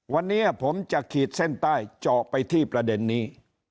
วันนี้ผมจะขีดเส้นใต้เจาะไปที่ประเด็นนี้